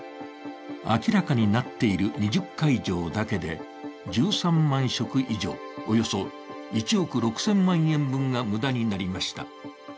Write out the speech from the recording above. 明らかになっている２０会場だけで１３万食以上およそ１億６０００万円分が無駄になりました。